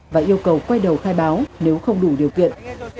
và yêu cầu quay đầu khai báo nếu không đủ điều kiện